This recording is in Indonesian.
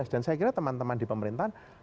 dan saya kira teman teman di pemerintahan